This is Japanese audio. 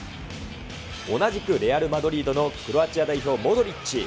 同じくレアル・マドリードのクロアチア代表、モドリッチ。